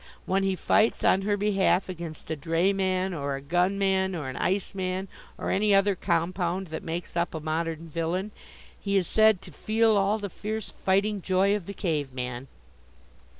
When he fights, on her behalf against a dray man or a gun man or an ice man or any other compound that makes up a modern villain, he is said to "feel all the fierce fighting joy of the cave man."